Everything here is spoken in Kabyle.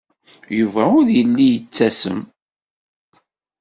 Yuba ur yelli yettasem.